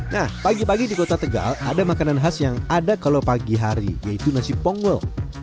nah pagi pagi di kota tegal ada makanan khas yang ada kalau pagi hari yaitu nasi ponggol